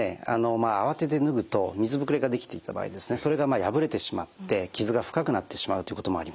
慌てて脱ぐと水ぶくれができていた場合それが破れてしまって傷が深くなってしまうということもあります。